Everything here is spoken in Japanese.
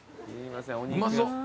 うまそう。